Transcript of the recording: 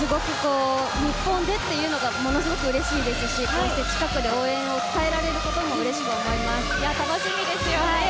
日本でというのがうれしいですし、こうして近くで応援を伝えられることも楽しみですよね。